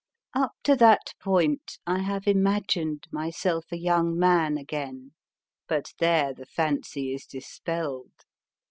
Up to that point, I have imagined myself a young man again, but there the fancy is dispelled.